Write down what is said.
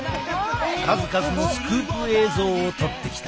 数々のスクープ映像を撮ってきた。